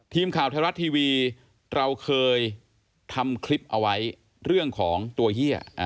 ทีมข่าวไทยรัฐทีวีเราเคยทำคลิปเอาไว้เรื่องของตัวเฮีย